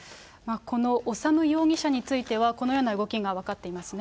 この修容疑者については、このような動きが分かっていますね。